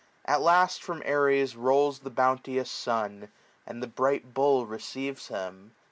25 At last from Aries rolls the bounteous sun, And the bright Bull receives him.